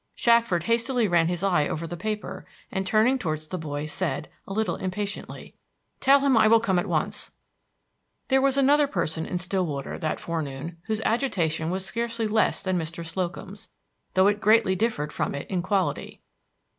Shackford hastily ran his eye over the paper, and turning towards the boy said, a little impatiently: "Tell him I will come at once." There was another person in Stillwater that forenoon whose agitation was scarcely less than Mr. Slocum's, though it greatly differed from it in quality.